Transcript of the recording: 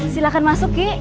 silahkan masuk ki